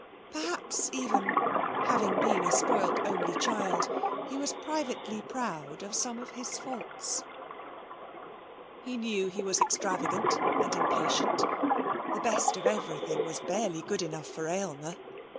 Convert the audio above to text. Perhaps, even, having been a spoilt only child, he was privately proud of some of his faults. He knew he was extravagant and impatient. The best of everything was barely good enough for Aylmer.